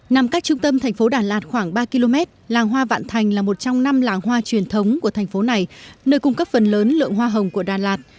nằm cách trung tâm thành phố đà lạt khoảng ba km làng hoa vạn thành là một trong năm làng hoa truyền thống của thành phố này nơi cung cấp phần lớn lượng hoa hồng của đà lạt